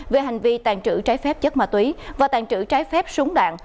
về hành vi tàn trữ trái phép chất ma túy và tàn trữ trái phép súng đạn